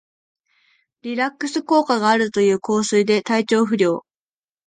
リラックス効果があるという香水で体調不良